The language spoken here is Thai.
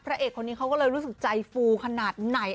เอกคนนี้เขาก็เลยรู้สึกใจฟูขนาดไหน